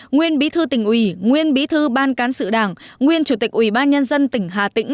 nguyên bí thư tỉnh ủy nguyên bí thư ban cán sự đảng nguyên chủ tịch ủy ban nhân dân tỉnh hà tĩnh